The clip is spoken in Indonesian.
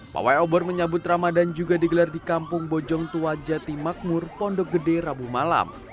pawai obor menyambut ramadan juga digelar di kampung bojong tua jati makmur pondok gede rabu malam